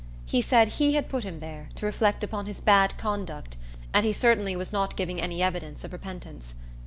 He said he had put him there, to reflect upon his bad conduct, and he certainly was not giving any evidence of repentance.